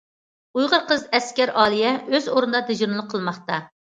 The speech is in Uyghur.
ئۇيغۇر قىز ئەسكەر ئالىيە ئۆز ئورنىدا دىجورنىلىق قىلماقتا.